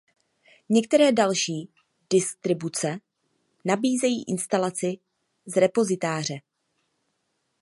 Některé další distribuce nabízejí instalaci z repozitáře.